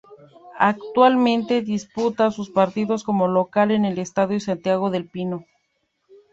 Actualmente disputa sus partidos como local en el estadio Santiago del Pino.